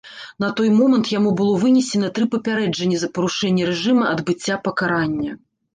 На той момант яму было вынесена тры папярэджанні за парушэнне рэжыма адбыцця пакарання.